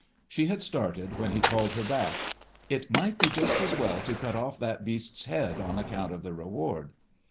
"She had started, when he called her back. 'It might be just as well to cut off that beast's head on account of the reward.'